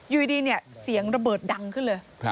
อยู่ดีเนี่ยเสียงระเบิดดังขึ้นเลย